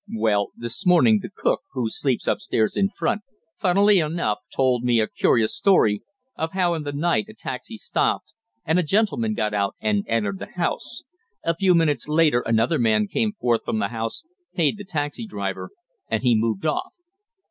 "Well, this morning the cook, who sleeps upstairs in front, funnily enough, told me a curious story of how in the night a taxi stopped and a gentleman got out and entered the house. A few minutes later another man came forth from the house, paid the taxi driver, and he moved off.